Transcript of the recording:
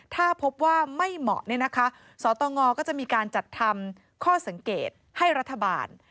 ถ้าพบว่าไม่เหมาะเนี่ยนะคะสตงก็จะมีการจัดทำข้อสังเกตให้รัฐบาล